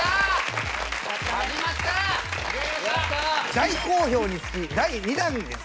大好評につき第２弾です。